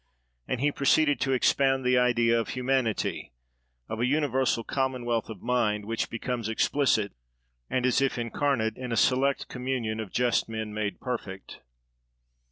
And he proceeded to expound the idea of Humanity—of a universal commonwealth of mind, which becomes explicit, and as if incarnate, in a select communion of just men made perfect.